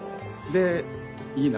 でいいな。